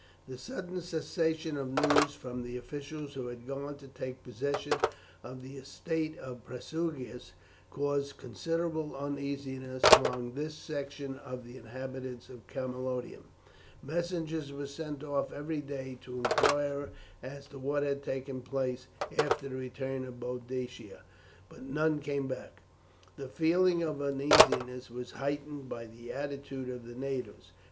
The sudden cessation of news from the officials who had gone to take possession of the estate of Prasutagus caused considerable uneasiness among this section of the inhabitants of Camalodunum. Messengers were sent off every day to inquire as to what had taken place after the return of Boadicea, but none came back. The feeling of uneasiness was heightened by the attitude of the natives.